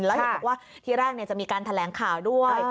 แล้วเห็นบอกว่าที่แรกจะมีการแถลงข่าวด้วย